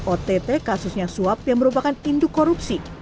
ott kasusnya suap yang merupakan induk korupsi